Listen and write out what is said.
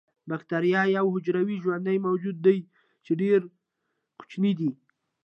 باکتریا یو حجروي ژوندی موجود دی چې ډیر کوچنی دی